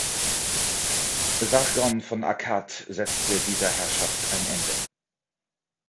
Sargon von Akkad setzte dieser Herrschaft ein Ende.